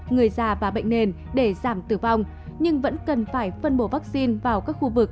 người già và bệnh nền để giảm tử vong nhưng vẫn cần phải phân bổ vaccine vào các khu vực